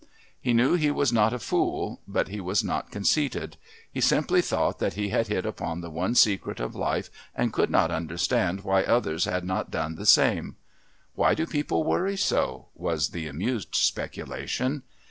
He knew he was not a fool, but he was not conceited. He simply thought that he had hit upon the one secret of life and could not understand why others had not done the same. Why do people worry so? was the amused speculation.